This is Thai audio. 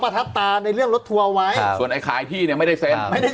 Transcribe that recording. ทับตาในเรื่องรถทัวร์ไว้ส่วนไอ้ขายที่เนี่ยไม่ได้เซ็น